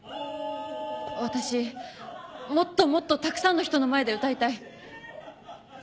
私もっともっとたくさんの人の前で歌いたい。